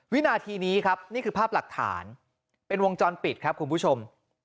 วินาทีนี้ครับนี่คือภาพหลักฐานเป็นวงจรปิดครับคุณผู้ชม